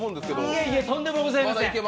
いえいえとんでもございません。